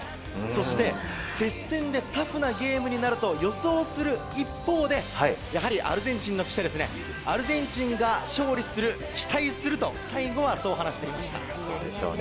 そして接戦でタフなゲームになると予想する一方でやはりアルゼンチンの記者はアルゼンチンが勝利する期待すると最後はそう話していました。